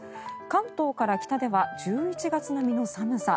関東から北では１１月並みの寒さ。